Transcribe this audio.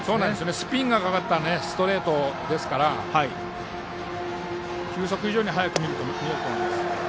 スピンがかかったストレートですから球速以上に速く見えると思います。